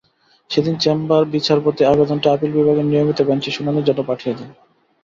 সেদিন চেম্বার বিচারপতি আবেদনটি আপিল বিভাগের নিয়মিত বেঞ্চে শুনানির জন্য পাঠিয়ে দেন।